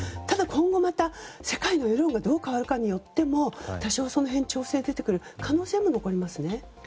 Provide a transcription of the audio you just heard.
ただ今後また世界の世論がどう変わるかによっても多少調整が可能性も残りますね。